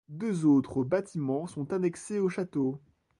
Deux autres bâtiments sont annexés au château.